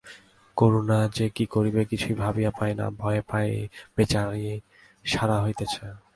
করুণা যে কী করিবে কিছুই ভাবিয়া পায় না, ভয়ে বেচারি সারা হইতেছে।